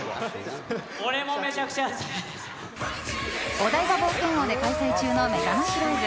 お台場冒険王で開催中のめざましライブ。